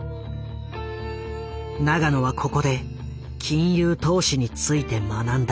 永野はここで金融投資について学んだ。